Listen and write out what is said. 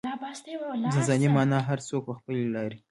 ځان ځاني مانا هر څوک په خپلې لارې.